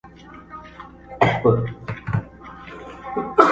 له جانانه مي ګيله ده!.